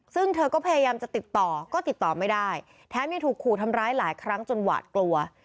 ซึ่งเธอก็พยายามจะติดต่อก็ติดต่อไม่ได้แถมยังถูกขู่ทำร้ายหลายครั้งจนหวาดกลัว